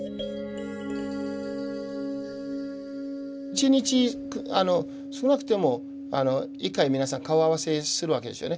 １日少なくても１回皆さん顔合わせするわけですよね。